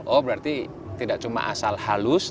oh berarti tidak cuma asal halus